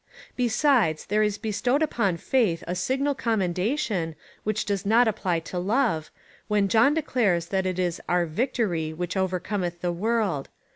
Besides, there is bestowed upon faith a signal commenda tion, which does not apply to love, when John declares that it is our victory, which overcometh the luorld.